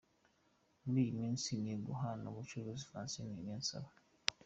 Muri iyi minsi ari guhangana n’Umurundi Francine Niyonsaba.